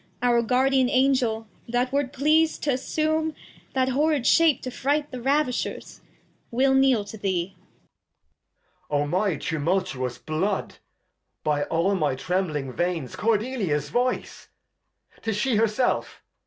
Our Guardian Angel, that wer't pleas'd t'assume That horrid Shape to fright the Ravishers ? We'll kneel to thee. Edg. O my tumultuous Blood ! By all my trembling Veins, Cordelia's Voice ! 2i8 The History of [Act iii 'Tis she herself